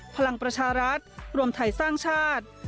พลังประชารัฐรวมไทยสร้างชาติ